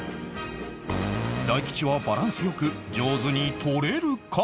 大吉はバランス良く上手に取れるか？